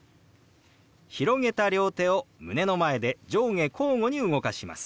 広げた両手を胸の前で上下交互に動かします。